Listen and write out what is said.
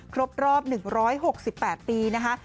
ครบรอบ๑๖๘ปีนะคะ